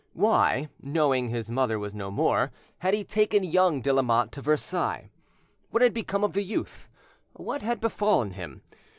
Why, knowing his mother was no more, had he taken young de Lamotte to Versailles? What had become of the youth? What had befallen, him?